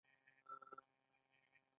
یو سل او نهه شپیتمه پوښتنه رسیدات دي.